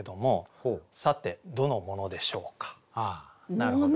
なるほど。